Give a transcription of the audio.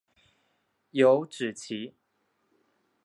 有脂鳍。